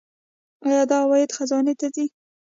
آیا دا عواید خزانې ته ځي؟